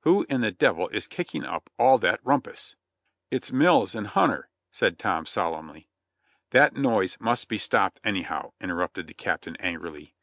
Who in the devil is kicking up all that rumpus?" "It's Mills and Hunter," said Tom solemnly. "That noise must be stopped anyhow," interrupted the Captain angrily.